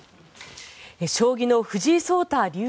将棋の藤井聡太